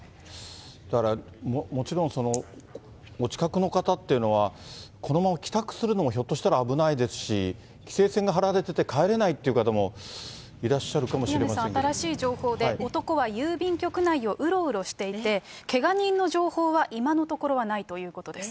だからもちろん、お近くの方っていうのは、このまま帰宅するのもひょっとしたら危ないですし、規制線が張られてて、帰れないっていう方も、宮根さん、新しい情報で、男は郵便局内をうろうろしていて、けが人の情報は今のところはないということです。